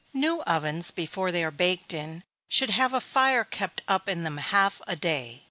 _ New ovens, before they are baked in, should have a fire kept up in them half a day.